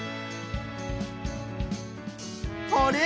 あれ？